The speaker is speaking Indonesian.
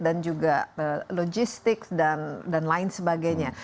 dan juga logistik dan lain sebagainya